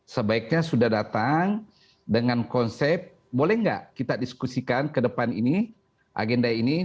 sebaiknya sudah datang dengan konsep boleh nggak kita diskusikan ke depan ini agenda ini